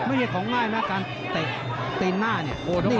ไม่ใช่ของง่ายนะการเตะตีนหน้าเนี่ย